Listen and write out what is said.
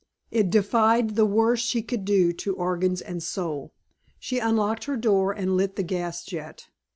It defied the worst she could do to organs and soul. She unlocked her door and lit the gas jet.